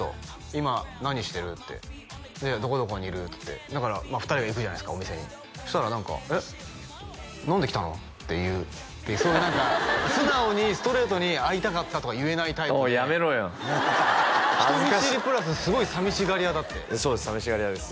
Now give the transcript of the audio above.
「今何してる？」ってで「どこどこにいる」っつってだからまあ２人が行くじゃないですかお店にそしたら何か「えっ何で来たの？」って言うそういう何か素直にストレートに「会いたかった」とか言えないタイプでおいやめろよ恥ずかしい人見知りプラスすごい寂しがり屋だってそうです寂しがり屋です